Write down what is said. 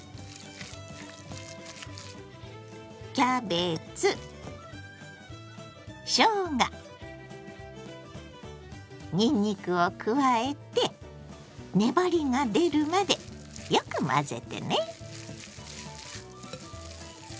キャベツしょうがにんにくを加えて粘りが出るまでよく混ぜてね。